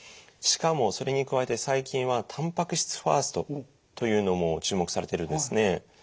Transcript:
しかもそれに加えて最近はたんぱく質ファーストというのも注目されてるんですね。